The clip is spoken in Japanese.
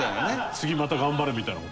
次また頑張れみたいな事？